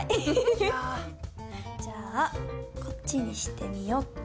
じゃあこっちにしてみよっと。